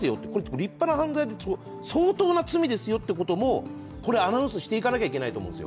立派な犯罪、相当な罪ですよってこともアナウンスしていかなければいけないと思うんですよ。